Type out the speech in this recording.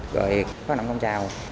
rồi phát động công trào